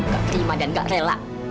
gak terima dan gak rela